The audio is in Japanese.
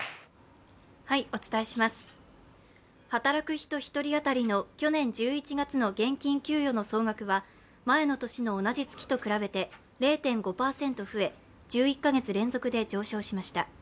働く人１人当たりの去年１１月の現金給与の総額は、前の年の同じ月と比べて０．５％増え１１か月連続で上昇しました。